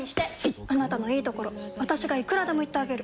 いっあなたのいいところ私がいくらでも言ってあげる！